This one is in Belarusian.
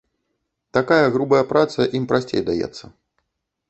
Такая грубая праца ім прасцей даецца.